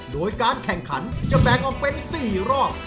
โดยการแข่งขันจะแบ่งออกเป็น๔รอบ